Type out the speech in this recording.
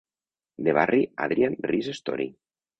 The Barry Adrian Reese Story